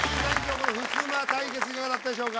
このふすま対決いかがだったでしょうか？